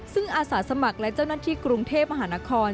ซึ่งอาสาสมัครและเจ้าหน้าที่กรุงเทพมหานคร